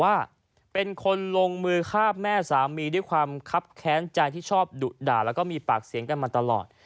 ว่าเป็นคนลงมือฆ่าแม่สามีด้วยความคับแค้นใจที่ชอบดุด่าแล้วก็มีปากเสียงกันมาตลอด